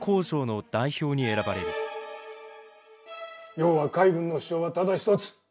要は海軍の主張はただ一つ。